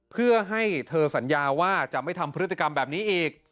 เพื่อให้เธอสัญญาว่าจะไม่ทำพฤติกรรมแบบนี้อีก